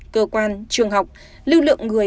cơ quan trường học lưu lượng người